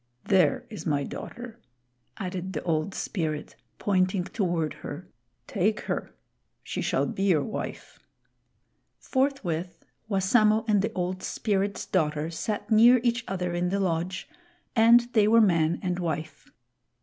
There is my daughter," added the Old Spirit, pointing toward her. "Take her. She shall be your wife." Forthwith Wassamo and the Old Spirit's daughter sat near each other in the lodge, and they were man and wife.